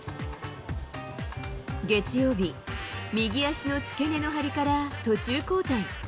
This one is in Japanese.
月曜日、右足の付け根の張りから途中交代。